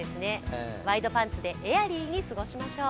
ワイドパンツでエアリーに過ごしましょう。